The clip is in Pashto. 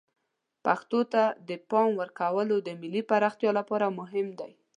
پښتو ته د پام ورکول د ملی پراختیا لپاره مهم دی.